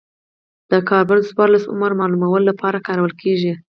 د کاربن څورلس عمر معلومولو لپاره کارول کېږي.